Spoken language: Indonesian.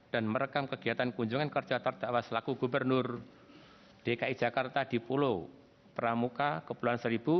dan merekam kegiatan kunjungan kerja terdakwa selaku gubernur dki jakarta di pulau pramuka kepulauan seribu